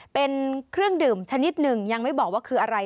เป็นเครื่องดื่มชนิดหนึ่งยังไม่บอกว่าคืออะไร